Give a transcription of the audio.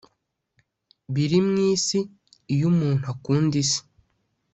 biri mu isi Iyo umuntu akunda isi